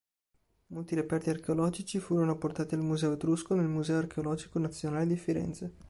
Molti reperti archeologici furono portati al Museo Etrusco nel Museo archeologico nazionale di Firenze.